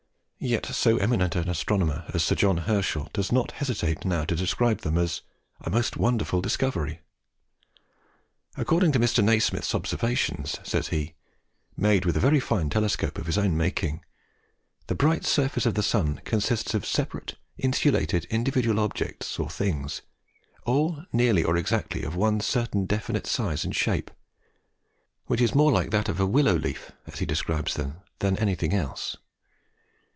Yet so eminent an astronomer as Sir John Herschel does not hesitate now to describe them as "a most wonderful discovery." "According to Mr. Nasmyth's observations," says he, "made with a very fine telescope of his own making, the bright surface of the sun consists of separate, insulated, individual objects or things, all nearly or exactly of one certain definite size and shape, which is more like that of a willow leaf, as he describes them, than anything else.